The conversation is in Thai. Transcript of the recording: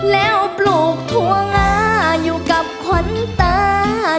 แล้วปลูกถั่วงาอยู่กับขวัญตา